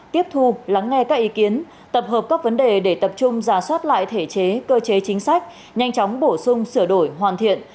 tiếp thu lắng nghe các ý kiến tập hợp các vấn đề để tập trung giả soát lại thể chế cơ chế chính sách nhanh chóng bổ sung sửa đổi hoàn thiện